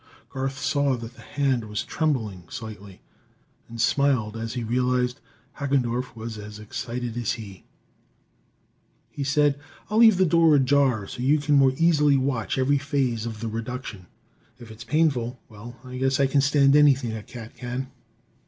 Garth saw that the hand was trembling slightly, and smiled as he realized Hagendorff was as excited as he. He said: "I'll leave the door ajar, so you can more easily watch every phase of the reduction. If it's painful well, I guess I can stand anything a cat can!"